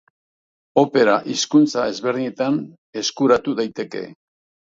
Opera hizkuntza ezberdinetan eskuratu daiteke.